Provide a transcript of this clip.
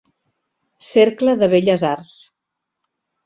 Cercle de Belles Arts.